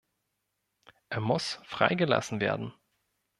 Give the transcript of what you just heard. Er muss freigelassen werden.